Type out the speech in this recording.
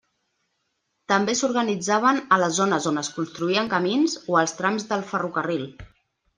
També s'organitzaven a les zones on es construïen camins o els trams del ferrocarril.